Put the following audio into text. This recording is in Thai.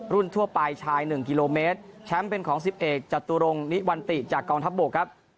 ทั่วไปชาย๑กิโลเมตรแชมป์เป็นของสิบเอกจตุรงนิวันติจากกองทัพบกครับ